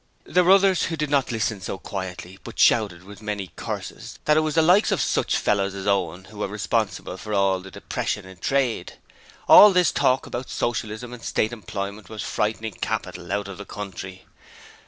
There were others who did not listen so quietly, but shouted with many curses that it was the likes of such fellows as Owen who were responsible for all the depression in trade. All this talk about Socialism and State employment was frightening Capital out of the country.